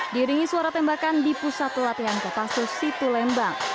diringi suara tembakan di pusat pelatihan kapasus situ lembang